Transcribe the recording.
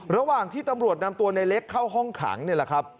ระหว่างที่ตำรวจนำตัวในเล็กเข้าห้องขังนี่แหละครับ